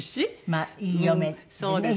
まあいい嫁でね